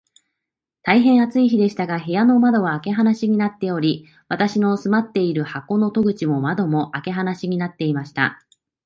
大へん暑い日でしたが、部屋の窓は開け放しになっており、私の住まっている箱の戸口も窓も、開け放しになっていました。